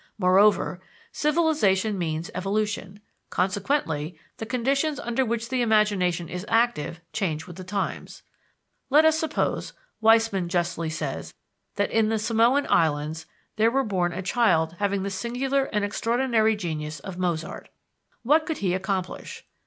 Moreover, civilization means evolution; consequently the conditions under which the imagination is active change with the times. Let us suppose, Weismann justly says, that in the Samoan Islands there were born a child having the singular and extraordinary genius of Mozart. What could he accomplish?